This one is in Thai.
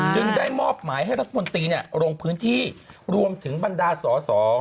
จึงได้มอบหมายให้รัฐมนตรีลงพื้นที่รวมถึงบรรดาสอสอ